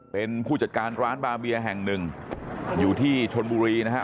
เป็นผู้จัดการร้านบาเบียแห่งหนึ่งอยู่ที่ชนบุรีนะฮะ